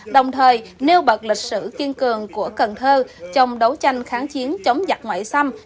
đồng thời nêu bật lịch sử kiên cường của cần thơ trong đấu tranh kháng chiến chống giặc ngoại xâm